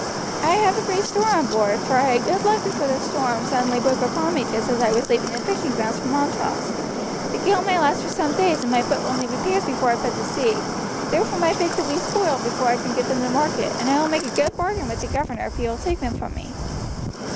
I have a great store on board, for I had good luck before the storm suddenly broke upon me just as I was leaving the fishing grounds for Montrose. The gale may last for some days, and my boat will need repairs before I put to sea, therefore my fish will be spoiled before I can get them to market, and I will make a good bargain with the governor if he will take them from me."